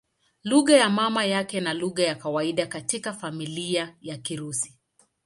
Lugha ya mama yake na lugha ya kawaida katika familia yake ni Kirusi.